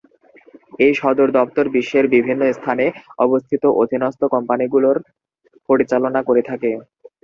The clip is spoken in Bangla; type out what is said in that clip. এই সদর দফতর বিশ্বের বিভিন্ন স্থানে অবস্থিত অধীনস্থ কোম্পানিগুলোর পরিচালনা করে থাকে।